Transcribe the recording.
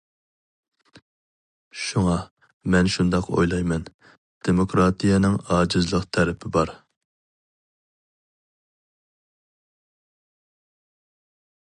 شۇڭا، مەن شۇنداق ئويلايمەن، دېموكراتىيەنىڭ ئاجىزلىق تەرىپى بار.